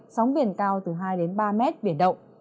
sóng biển cao từ hai đến ba mét biển động